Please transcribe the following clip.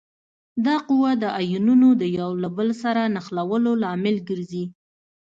دا قوه د آیونونو د یو له بل سره نښلولو لامل ګرځي.